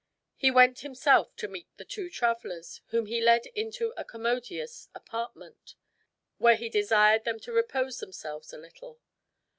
He went himself to meet the two travelers, whom he led into a commodious apartment, where he desired them to repose themselves a little.